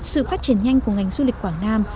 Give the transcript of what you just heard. sự phát triển nhanh của ngành du lịch quảng nam